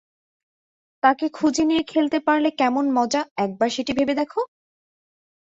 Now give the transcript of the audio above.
তাঁকে খুঁজে নিয়ে খেলতে পারলে কেমন মজা, একবার সেটি ভেবে দেখ।